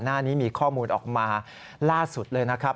หน้านี้มีข้อมูลออกมาล่าสุดเลยนะครับ